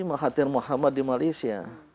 mahathir muhammad di malaysia